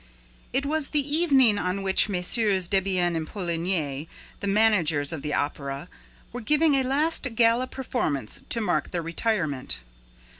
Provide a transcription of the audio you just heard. It was the evening on which MM. Debienne and Poligny, the managers of the Opera, were giving a last gala performance to mark their retirement.